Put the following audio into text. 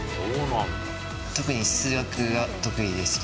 特に数学が得意です。